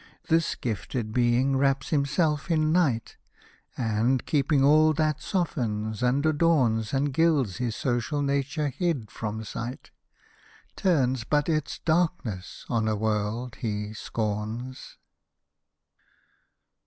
This gifted Being wraps himself in night ; And, keeping all that softens, and adorns. And gilds his social nature hid from sight, Turns but its darkness on a world he scorns.